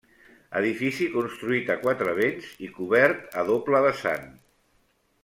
Edifici construït a quatre vents i cobert a doble vessant.